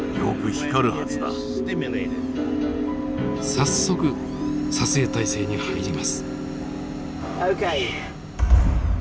早速撮影態勢に入ります。